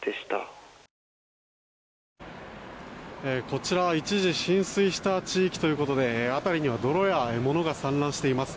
こちらは一時浸水した地域ということで辺りには泥や物が散乱しています。